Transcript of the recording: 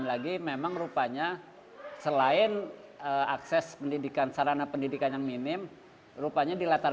lagi memang rupanya selain akses pendidikan sarana pendidikan yang minim rupanya dilatar